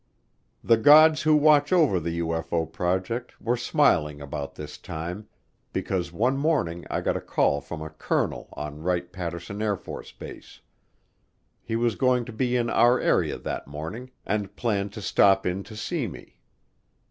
The gods who watch over the UFO project were smiling about this time, because one morning I got a call from a colonel on Wright Patterson Air Force Base. He was going to be in our area that morning and planned to stop in to see me.